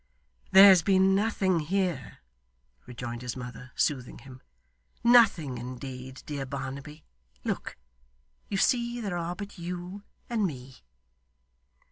'There has been nothing here,' rejoined his mother, soothing him. 'Nothing indeed, dear Barnaby. Look! You see there are but you and me.